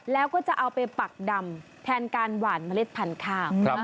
แล้วก็จะเอาไปปักดำแทนการหวานเมล็ดพันธุ์ข้าว